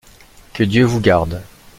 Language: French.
Que Dieu vous garde!